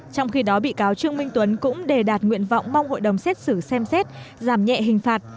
trong khi đó bị cáo trương minh tuấn cũng đề đạt nguyện vọng mong hội đồng xét xử xem xét giảm nhẹ hình phạt